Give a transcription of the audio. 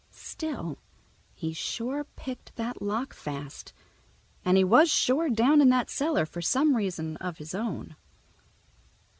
Still, he sure picked that lock fast, and he was sure down in that cellar for some reason of his own.